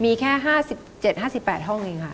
มีแค่๕๗๕๘ห้องเองค่ะ